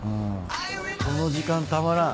この時間たまらん。